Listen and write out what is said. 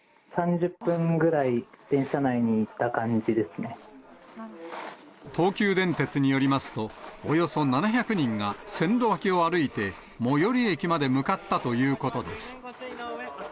３０分ぐらい電車内にいた感東急電鉄によりますと、およそ７００人が、線路脇を歩いて、最寄り駅まで向かったということです。